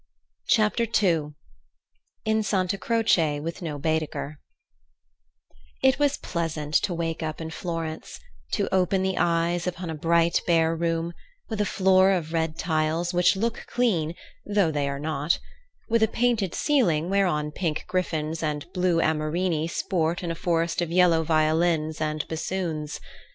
Chapter II In Santa Croce with No Baedeker It was pleasant to wake up in Florence, to open the eyes upon a bright bare room, with a floor of red tiles which look clean though they are not; with a painted ceiling whereon pink griffins and blue amorini sport in a forest of yellow violins and bassoons.